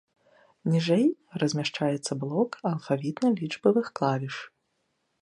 Ніжэй размяшчаецца блок алфавітна-лічбавых клавіш.